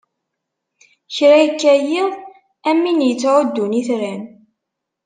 Kra ikka yiḍ, am win ittɛuddun itran.